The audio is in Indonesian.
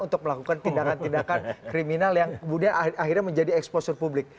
untuk melakukan tindakan tindakan kriminal yang kemudian akhirnya menjadi exposure publik